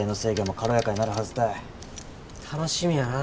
楽しみやな。